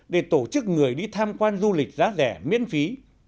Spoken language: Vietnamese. để tổ chức người đi tham quan du lịch giá rẻ miễn phí